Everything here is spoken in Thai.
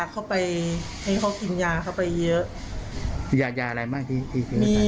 ก็คุยกับลูกลูกก็คุยก็ไม่ได้